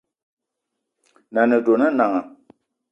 Nan’na a ne dona Nanga